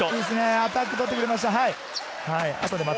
アタック取ってくれました。